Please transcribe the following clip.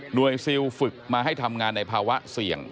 ซิลฝึกมาให้ทำงานในภาวะเสี่ยง